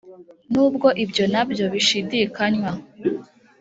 nubwo ibyo na byo bishidikanywaho.